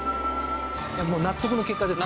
もう納得の結果ですね。